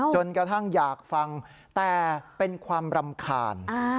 จนกระทั่งอยากฟังแต่เป็นความรำคาญ